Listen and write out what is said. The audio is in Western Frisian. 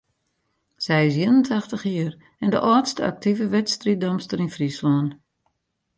Sy is ien en tachtich jier en de âldste aktive wedstriiddamster yn Fryslân.